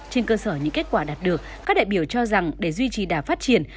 trên cơ sở những kết quả đạt được các đại biểu cho rằng để duy trì đà phát triển